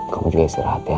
kamu juga istirahat ya